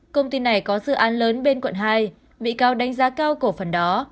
công ty này có dự án lớn bên quận hai bị cáo đánh giá cao cổ phần đó